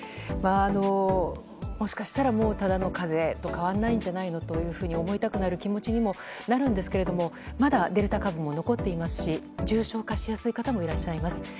もしかしたらもうただの風邪と変わらないんじゃないのと思いたくなる気持ちにもなるんですけどもまだデルタ株も残っていますし重症化しやすい方もいらっしゃいます。